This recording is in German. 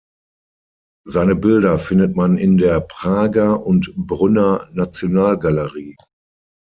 Seine Bilder findet man in der Prager und Brünner Nationalgalerie.